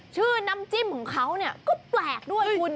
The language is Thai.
ชื่อน้ำจิ้มของเขาเนี่ยก็แปลกด้วยคุณ